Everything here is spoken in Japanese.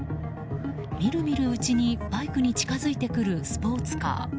見る見るうちにバイクに近づいてくるスポーツカー。